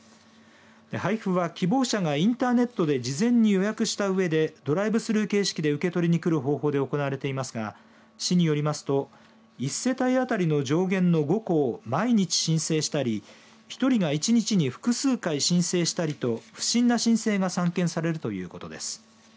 配布は希望者がインターネットで事前に予約したうえでドライブスルー形式で受け取りにくる方法で行われていますが市によりますと１世帯当たりの上限の５個を毎日申請したり１人が１日に複数回申請したりと不審な申請が散見されるということです。